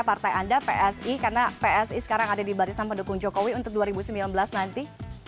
partai anda psi karena psi sekarang ada di barisan pendukung jokowi untuk dua ribu sembilan belas nanti